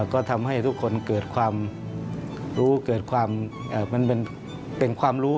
ก็ทำให้ทุกคนเกิดความรู้เกิดความมันเป็นความรู้